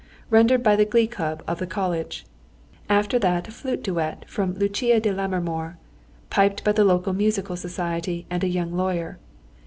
rendered by the glee club of the College. After that a flute duet from Lucia di Lammermoor, piped by the local musical society and a young lawyer.